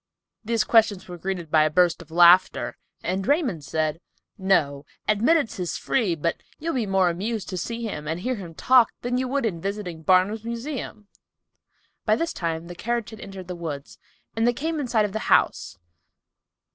These questions were greeted by a burst of laughter, and Raymond said, "No—admittance is free, but you'll be more amused to see him and hear him talk than you would in visiting Barnum's Museum!" By this time the carriage had entered the woods, and they came in sight of the house.